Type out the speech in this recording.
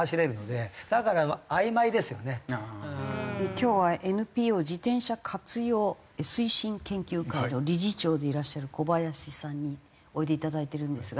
今日はＮＰＯ自転車活用推進研究会の理事長でいらっしゃる小林さんにおいでいただいてるんですが。